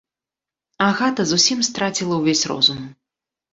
Агата зусім страціла ўвесь розум.